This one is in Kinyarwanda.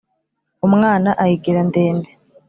Umwana ayigira ndende